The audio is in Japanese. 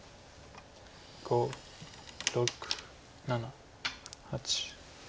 ５６７８。